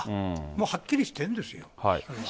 もうはっきりしてるんですよ。